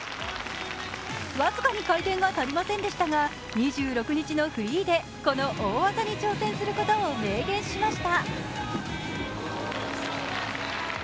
僅かに回転が足りませんでしたが２６日のフリーでこの大技に挑戦することを明言しました。